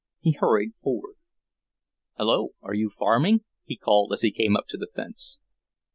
He hurried forward. "Hello, are you farming?" he called as he came up to the fence.